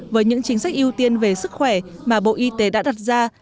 với những chính sách ưu tiên về sức khỏe mà bộ y tế đã đặt ra